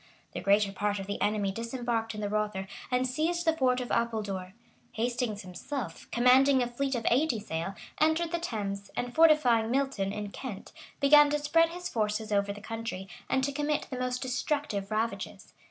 The greater part of the enemy disembarked in the Rother and seized the fort of Apuldore. Hastings himself, commanding a fleet of eighty sail, entered the Thames, and fortifying Milton, in Kent, began to spread his forces over the country, and to commit the most destructive ravages.